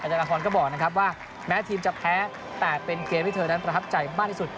จารพรก็บอกนะครับว่าแม้ทีมจะแพ้แต่เป็นเกมที่เธอนั้นประทับใจมากที่สุด